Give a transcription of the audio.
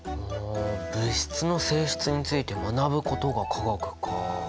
物質の性質について学ぶことが化学か。